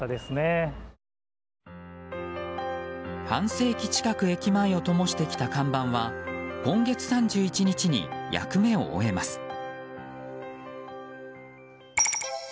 半世紀近く駅前をともしてきた看板は今月３１日に役目を終えます。